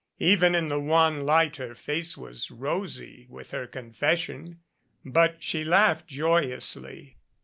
Even in the wan light her face was rosy with her confession. But she laughed joyously.